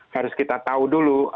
harus kita tahu dulu